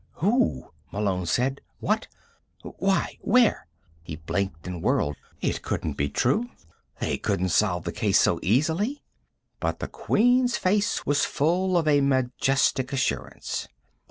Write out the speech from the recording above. "Who?" Malone said. "What? Why? Where?" He blinked and whirled. It couldn't be true. They couldn't solve the case so easily. But the Queen's face was full of a majestic assurance.